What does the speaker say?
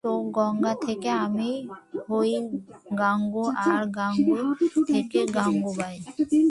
তো গঙা থেকে আমি হই গাঙু, আর গাঙু থেকে গাঙুবাই।